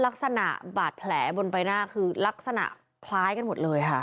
บนไฟละถ้าคือรักษณะท้ายกันหมดเลยค่ะ